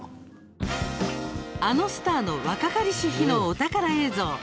あのスターの若かりし日のお宝映像。